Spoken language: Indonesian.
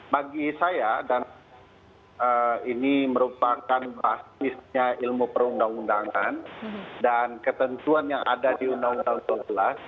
bagi saya dan ini merupakan basisnya ilmu perundang undangan dan ketentuan yang ada di undang undang dua belas